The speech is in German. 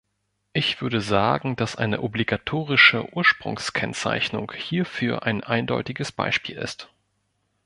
Ich würde sagen, dass eine obligatorische Ursprungskennzeichnung hierfür ein eindeutiges Beispiel ist.